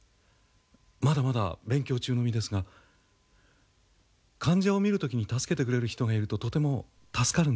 まだまだ勉強中の身ですが患者を診る時に助けてくれる人がいるととても助かるんです。